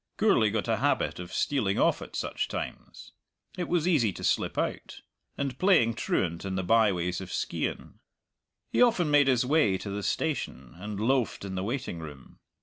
Gourlay got a habit of stealing off at such times it was easy to slip out and playing truant in the byways of Skeighan. He often made his way to the station, and loafed in the waiting room.